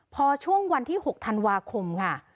พอช่วงวันที่๖ธันวาคมค่ะ